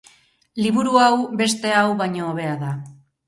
Liburu hau beste hau baino hobea da.